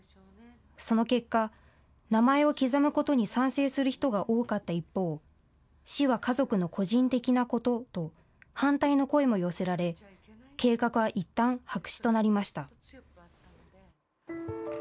その結果、名前を刻むことに賛成する人が多かった一方、死は家族の個人的なことと、反対の声も寄せられ、計画はいったん白紙となりました。